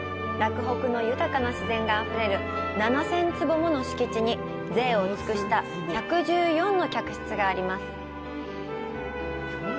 洛北の豊かな自然があふれる７０００坪もの敷地に贅を尽くした１１４の客室があります。